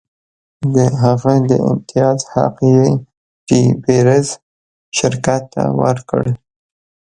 د هغه د امتیاز حق یې ډي بیرز شرکت ته ورکړ.